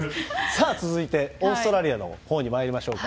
さあ、続いてオーストラリアのほうにまいりましょうか。